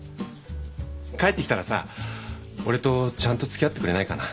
帰ってきたらさ俺とちゃんと付き合ってくれないかな？